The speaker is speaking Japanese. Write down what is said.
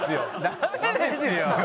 ダメですよ！